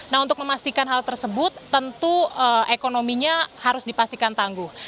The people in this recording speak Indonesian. nah untuk memastikan hal tersebut tentu ekonominya harus dipastikan tangguh